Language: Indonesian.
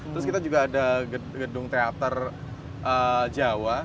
terus kita juga ada gedung teater jawa